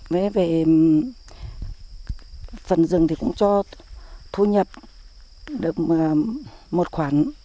với về phần rừng thì cũng cho thu nhập được một khoản